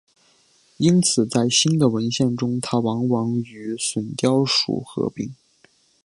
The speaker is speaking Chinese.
因此在新的文献中它往往与隼雕属合并。